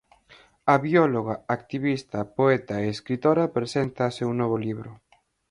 A bióloga, activista, poeta e escritora presenta o seu novo libro.